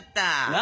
何？